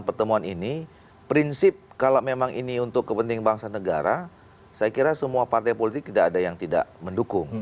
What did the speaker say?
pertemuan ini prinsip kalau memang ini untuk kepentingan bangsa negara saya kira semua partai politik tidak ada yang tidak mendukung